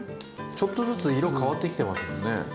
ちょっとずつ色変わってきてますもんね。